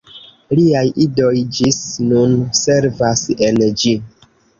Liaj idoj ĝis nun servas en ĝi.